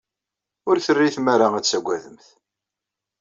Ur terri tmara ad tagademt.